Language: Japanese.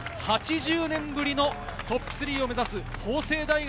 ２年ぶりのトップ３を目指す創価大学。